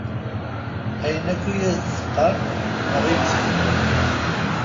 Ayen akk i as-teqqar neɣ i d-tebder.